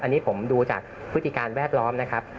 อันนี้ผมดูจากพฤติการแวดล้อมนะครับ